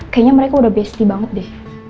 kayaknya mereka udah besty banget deh